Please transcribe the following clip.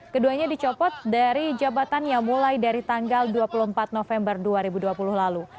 keduanya dicopot dari jabatannya mulai dari tanggal dua puluh empat november dua ribu dua puluh lalu